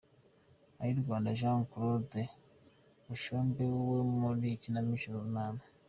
Ayirwanda Jean Claude: Bushombe wo mu ikinamico Urunana.